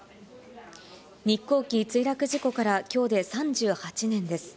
日航機墜落事故から、きょうで３８年です。